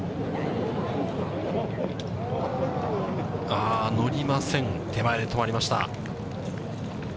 あー、乗りません、手前で止まりました。